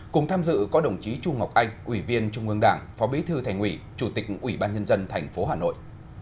cùng tham dự có đồng chí trung ngọc anh ủy viên trung ương đảng phó bí thư thành ủy chủ tịch ủy ban nhân dân tp hà nội